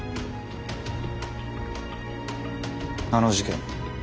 あの事件